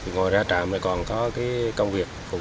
ngồi ra tràm còn có công việc phục vụ